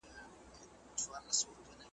ساقي تش لاسونه ګرځي پیمانه هغسي نه ده ,